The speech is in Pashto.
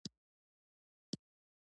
او په عین وخت کې افراطي اسلام تبلیغ کړي.